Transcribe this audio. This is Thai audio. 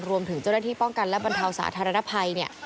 รวมถึงเจ้าหน้าที่ป้องกันและบรรเทาสาธารณภัยเนี่ย